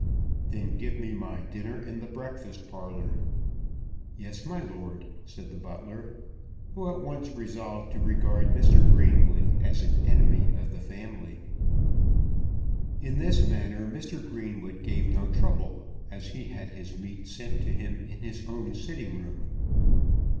"Then give me my dinner in the breakfast parlour." "Yes, my lord," said the butler, who at once resolved to regard Mr. Greenwood as an enemy of the family. In this manner Mr. Greenwood gave no trouble, as he had his meat sent to him in his own sitting room.